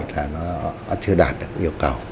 là nó chưa đạt được yêu cầu